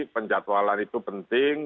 penjatualan itu penting